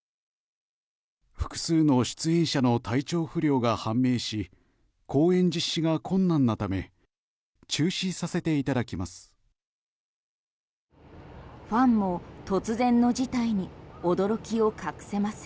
複数の出演者の体調不良が判明し公演実施が困難なため中止させていただきます。